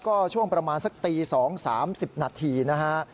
ก็ช่วงประมาณสักตี๒๓๐นาทีนะฮะ